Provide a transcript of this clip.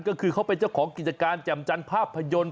ก็คือเขาเป็นเจ้าของกิจการแจ่มจันทร์ภาพยนตร์